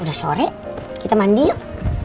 udah sore kita mandi yuk